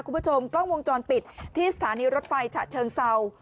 คุณผู้ชมกล้องวงจรปิดที่สถานีรถไฟฉะเชิงเศร้า